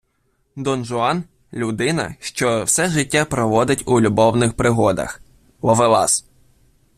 Дон-Жуан - людина, що все життя проводить у любовних пригодах, ловелас